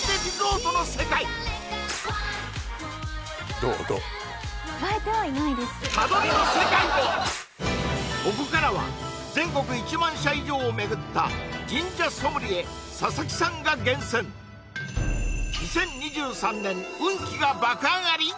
どう？他撮りの世界もここからは全国１万社以上を巡った神社ソムリエ佐々木さんが厳選２０２３年運気が爆上がり！？